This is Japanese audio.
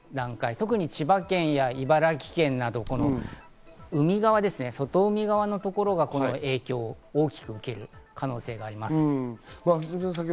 特に千葉県や茨城県など、外海のあたりが影響が大きく出る可能性があります。